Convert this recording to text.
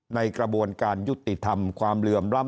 ในกระบวนการยุติธรรม